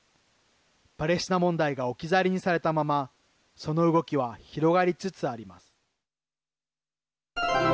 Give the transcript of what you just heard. パレスチナ問題が置き去りにされたままその動きは広がりつつあります。